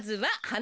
は